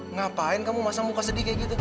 ngapain kamu masa muka sedih kayak gitu